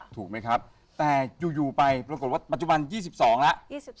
ถูกไหมครับแต่อยู่ไปปรากฏว่าปัจจุบัน๒๒แล้ว